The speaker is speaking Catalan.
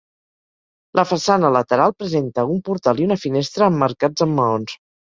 La façana lateral presenta un portal i una finestra emmarcats en maons.